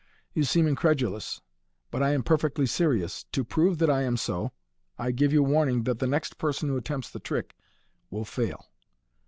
You seem incredu lous, but I am perfectly serious. To prove that I am so, I give you warning that the next psrson who attempts the trisk will fail.